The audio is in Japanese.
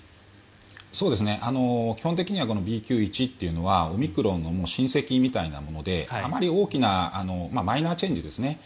基本的にはＢＱ．１というのはオミクロンの親戚みたいなものであまり大きなマイナーチェンジですね。